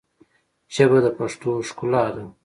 ژبه د پښتو ښکلا ده